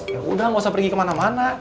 ya udah gak usah pergi kemana mana